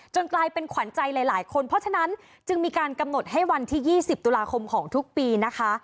กลายเป็นขวัญใจหลายคนเพราะฉะนั้นจึงมีการกำหนดให้วันที่๒๐ตุลาคมของทุกปีนะคะ